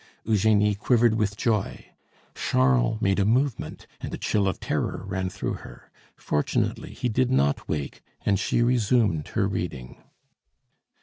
Eugenie quivered with joy. Charles made a movement, and a chill of terror ran through her. Fortunately, he did not wake, and she resumed her reading.